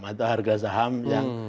atau harga saham yang